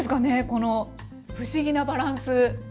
この不思議なバランス。